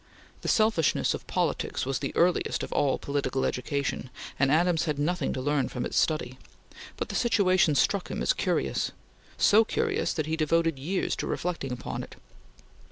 The selfishness of politics was the earliest of all political education, and Adams had nothing to learn from its study; but the situation struck him as curious so curious that he devoted years to reflecting upon it.